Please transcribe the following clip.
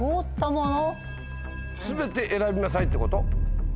全て選びなさいってこと？